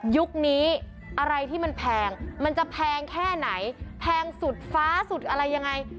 ยุคนี้อะไรที่มันแพงมันจะแพงแค่ไหนแพงสุดฟ้าสุดอะไรยังไง